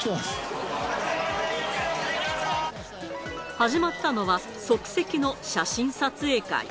始まったのは、即席の写真撮影会。